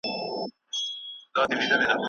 ایا ستا لارښود استاد په دي موضوع پوهیږي؟